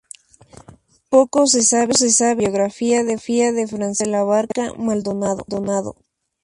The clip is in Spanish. Poco se sabe de la biografía de Francisco de la Barca Maldonado.